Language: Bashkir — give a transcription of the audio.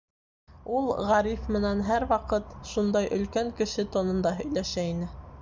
Ул Ғариф менән һәр ваҡыт шундай өлкән кеше тонында һөйләшә ине.